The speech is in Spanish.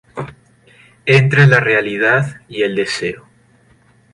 Entre la realidad y el deseo".